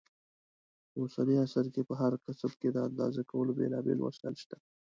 په اوسني عصر کې په هر کسب کې د اندازه کولو بېلابېل وسایل شته.